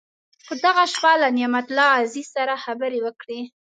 په دغه شپه له نعمت الله عزیز سره خبرې وکړې.